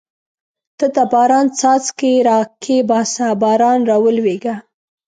ته د باران څاڅکي را کښېباسه باران راولېږه.